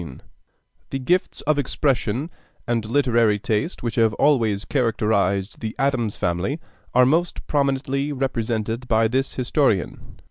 HENRY ADAMS (1838 ) The gifts of expression and literary taste which have always characterized the Adams family are most prominently represented by this historian.